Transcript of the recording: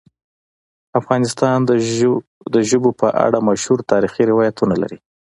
افغانستان د ژبو په اړه مشهور تاریخی روایتونه لري.